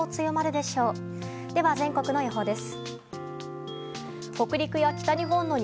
では、全国の予報です。